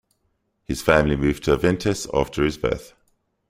His family moved to Avintes after his birth.